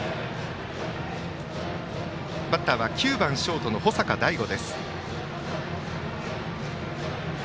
バッターは９番ショート、保坂大悟。